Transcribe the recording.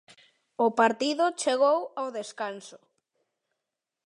O partido chegou ao descanso.